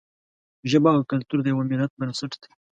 ژبه او کلتور د یوه ملت بنسټ دی.